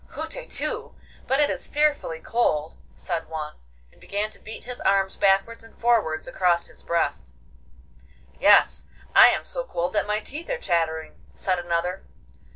'Hutetu! But it is fearfully cold!' said one, and began to beat his arms backwards and forwards across his breast. 'Yes, I am so cold that my teeth are chattering,' said another.